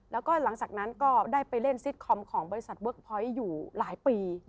แล้วก็หลังจากนั้นก็ได้ไปเล่นซิตคอมของบริษัทเวิร์กพอยต์อยู่หลายปี